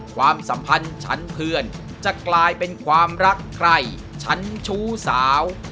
ความสัมพันธ์ฉันเพื่อนจะกลายเป็นความรักใครฉันชู้สาว